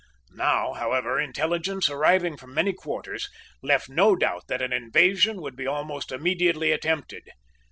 Now, however, intelligence, arriving from many quarters, left no doubt that an invasion would be almost immediately attempted.